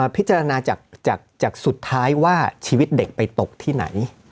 พิจารณาจากสุดท้ายว่าชีวิตเด็กไปตกที่ไหน